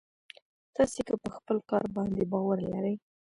تاسې که په خپل کار باندې باور لرئ.